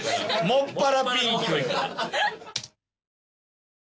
「もっぱらピンク」。